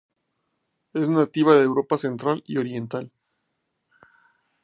Es nativa de Europa central y oriental.